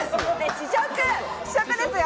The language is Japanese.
試食ですよ！